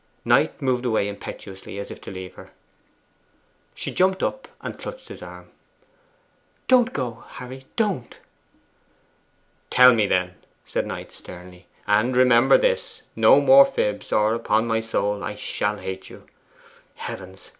Knight moved away impetuously as if to leave her. She jumped up and clutched his arm 'Don't go, Harry don't! 'Tell me, then,' said Knight sternly. 'And remember this, no more fibs, or, upon my soul, I shall hate you. Heavens!